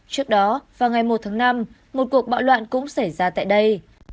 trước đó vào ngày một tháng năm một cuộc bạo loạn cũng xảy ra tại đây